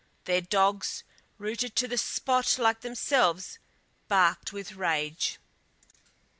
Their dogs, rooted to the spot like themselves, barked with rage.